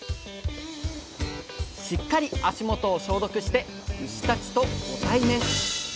しっかり足元を消毒して牛たちとご対面！